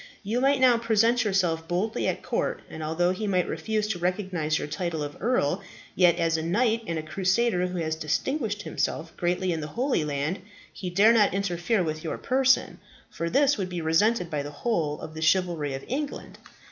You might now present yourself boldly at court, and although he might refuse to recognize your title of earl, yet, as a knight and a crusader who has distinguished himself greatly in the Holy Land, he dare not interfere with your person, for this would be resented by the whole of the chivalry of England.